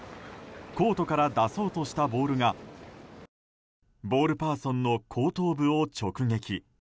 コートから出そうとしたボールがボールパーソンの後頭部を直撃。